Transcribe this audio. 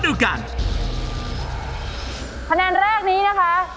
ช่วยฝังดินหรือกว่า